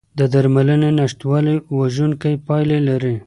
د درملنې نشتوالی وژونکي پایلې لري.